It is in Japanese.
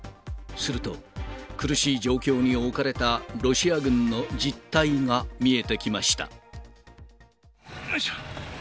すると、苦しい状況に置かれたロシア軍の実態が見えてきました。